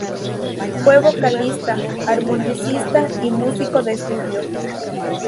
Fue vocalista, armonicista y músico de estudio.